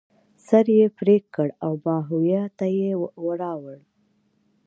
سر یې پرې کړ او ماهویه ته یې راوړ.